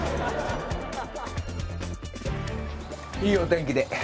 いいお天気で。